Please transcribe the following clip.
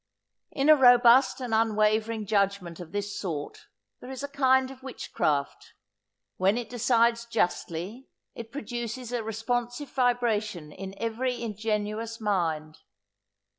In a robust and unwavering judgment of this sort, there is a kind of witchcraft; when it decides justly, it produces a responsive vibration in every ingenuous mind.